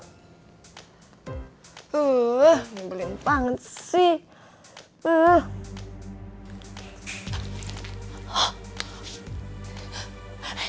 ngebelin banget sih